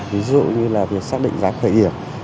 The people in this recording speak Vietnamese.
ví dụ như là việc xác định giá khởi điểm